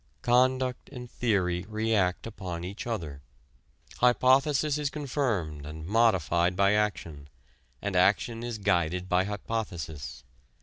Conduct and theory react upon each other. Hypothesis is confirmed and modified by action, and action is guided by hypothesis.